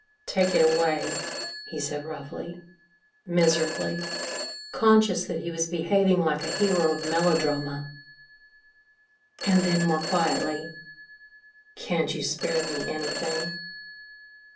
"Take it away," he said roughly, miserably, conscious that he was behaving like a hero of melodrama, and then more quietly, "can't you spare me anything?"